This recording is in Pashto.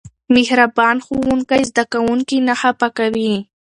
مهربان ښوونکی زده کوونکي نه خفه کوي.